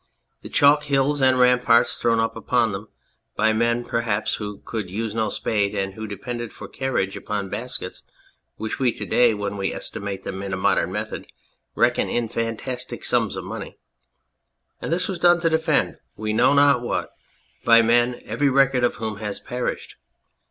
The chalk hills and ram parts thrown up upon them by men perhaps who could use no spade and who depended for carriage upon baskets, which we to day, when we estimate them in a modern method, reckon in fantastic sums of money ; and this was done to defend, we know not what, by men every record of whom has perished.